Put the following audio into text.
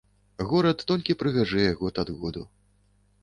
Горад толькі прыгажэе год ад году.